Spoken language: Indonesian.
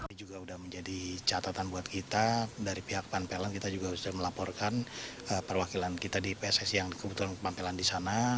ini juga sudah menjadi catatan buat kita dari pihak panpelan kita juga sudah melaporkan perwakilan kita di pssi yang kebetulan kepampelan di sana